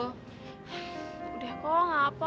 udah kok gak apa